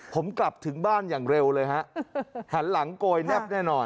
ผมกลับถึงบ้านอย่างเร็วเลยฮะหันหลังโกยแนบแน่นอน